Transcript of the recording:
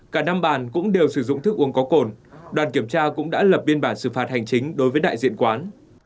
cả năm bàn cũng đều sử dụng thức uống có cồn đoàn kiểm tra cũng đã lập biên bản xử phạt hành chính đối với đại diện quán